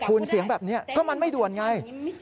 คุณเสียงแบบนี้ก็มันไม่ด่วนไง